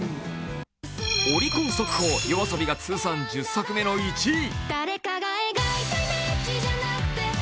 オリコン速報、ＹＯＡＳＯＢＩが通算１０作目の１位。